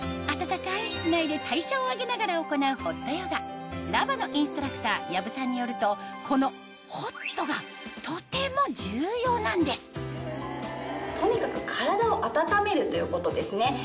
あたたかい室内で代謝を上げながら行うホットヨガＬＡＶＡのインストラクター養父さんによるとこのホットがとても重要なんですとにかく。ということですね